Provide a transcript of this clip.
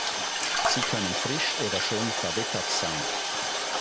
Sie können frisch oder schon verwittert sein.